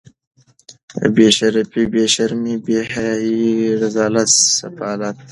بې شرفي بې شرمي بې حیايي رذالت سفالت